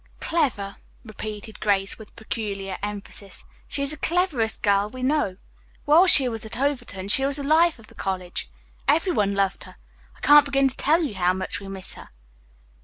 "Clever," repeated Grace with peculiar emphasis. "She is the cleverest girl we know. While she was at Overton, she was the life of the college. Everyone loved her. I can't begin to tell you how much we miss her."